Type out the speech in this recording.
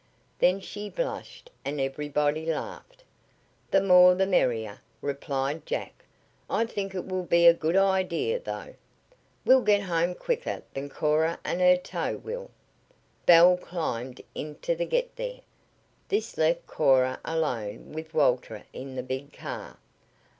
Then she blushed, and everybody laughed. "The more the merrier," replied Jack. "I think it will be a good idea, though. We'll get home quicker than Cora and her tow will." Belle climbed into the Get There. This left Cora alone with Walter in the big car.